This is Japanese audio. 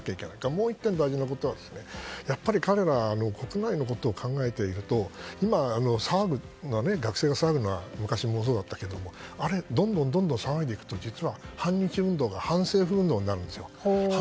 もう１点大事なことは彼ら、国内のことを考えてると今、学生が騒ぐのは昔もそうだったけどどんどん騒いでいくと実は反日運動が反政府運動になるんですよ。